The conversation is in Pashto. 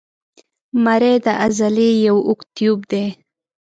مرۍ د عضلې یو اوږد تیوب دی.